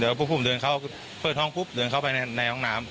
แล้วพวกผมเดินเข้าเปิดห้องปุ๊บเดินเข้าไปในห้องน้ำ